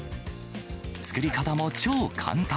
作り方も超簡単。